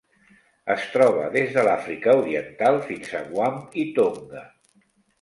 Es troba des de l'Àfrica Oriental fins a Guam i Tonga.